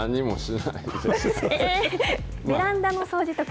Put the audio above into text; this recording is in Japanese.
ベランダの掃除とか。